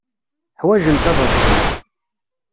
Ḥwajent ad ḍḍsent.